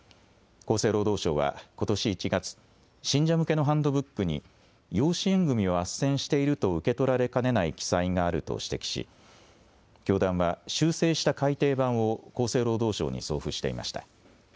厚生労働省はことし１月、信者向けのハンドブックに養子縁組みをあっせんしていると受け取られかねない記載があると指摘し教団は修正した改訂版を厚生労働省に送付していました。